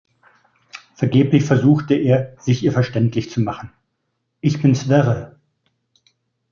Vergeblich versucht er, sich ihr verständlich zu machen: "Ich bin Sverre".